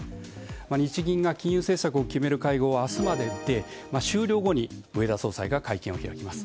日銀が金融政策を決める会合を明日まで開いて終了後に植田総裁が会見を開きます。